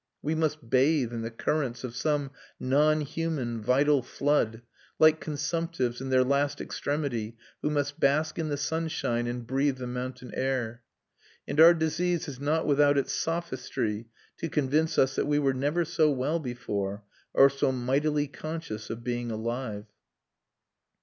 We must bathe in the currents of some non human vital flood, like consumptives in their last extremity who must bask in the sunshine and breathe the mountain air; and our disease is not without its sophistry to convince us that we were never so well before, or so mightily conscious of being alive.